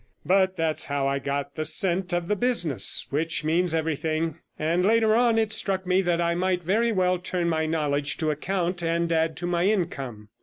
But that's how I got the scent of the business, which means everything; and, later on, it struck me that I might very well turn my knowledge to account and add to my income.